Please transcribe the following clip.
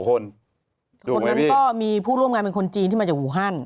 คนนั้นก็มีผู้ร่วมงานเป็นคนจีนที่มาจากอูฮัน